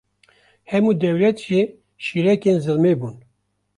hemû dewlet jî şîrêkên zilmê bûn